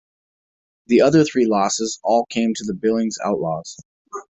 The other three losses all came to the Billings Outlaws.